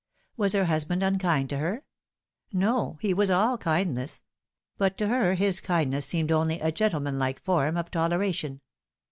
Was her husband unkind to her ? No, he was all kindness ; but to her his kindness seemed only a gentleman like form of toleration.